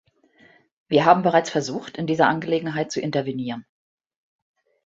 Wir haben bereits versucht, in dieser Angelegenheit zu intervenieren.